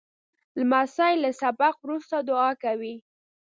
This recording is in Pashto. لمسی له سبق وروسته دعا کوي.